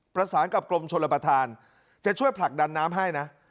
ประสานกับกรมชนประธานจะช่วยผลักดันน้ำให้นะ